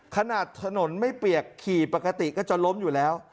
ถนนไม่เปียกขี่ปกติก็จะล้มอยู่แล้ว